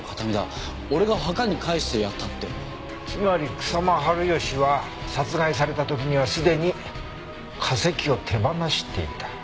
つまり草間治義は殺害された時にはすでに化石を手放していた。